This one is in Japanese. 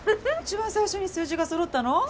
一番最初に数字が揃ったの？